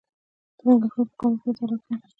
د ننګرهار په کامه کې د تالک نښې شته.